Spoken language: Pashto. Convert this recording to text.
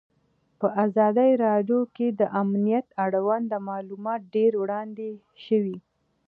په ازادي راډیو کې د امنیت اړوند معلومات ډېر وړاندې شوي.